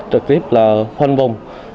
trực tiếp khoanh vùng